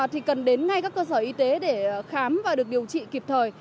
thì cần đến ngay các cơ sở y tế để khám và được điều trị kịp thời